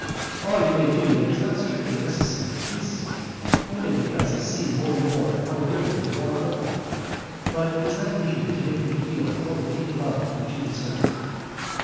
All you may do that is not strictly necessary pleases me only because I see more and more how worthy you are of me, but it is not needed to make me feel all the deep love which you deserve."